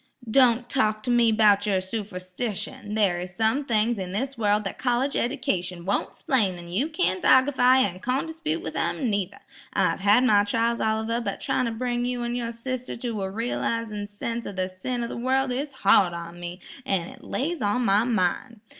"Don't talk to me 'bout yer suferstition; there is some things in this wurl that college edication won't 'splain, an' you can't argify an' condispute with 'em, neither. I've had my trials, Oliver, but tryin' to bring you an' yer sister to a realisin' sense of the sin in the wurl is hard on me, an' it lays on my mind.